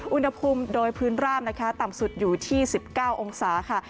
อุณหภูมิโดยพื้นราบนะคะต่ำสุดอยู่ที่๑๙องศาค่ะ